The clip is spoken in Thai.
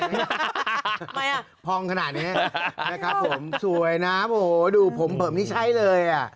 ทำไมอ่ะพองขนาดนี้นะครับผมสวยนะโอ้โหดูผมผมนี่ใช่เลยอ่ะ